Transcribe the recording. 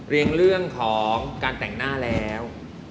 เรื่องของการแต่งหน้าแล้ว